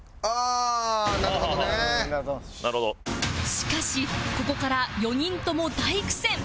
しかしここから４人とも大苦戦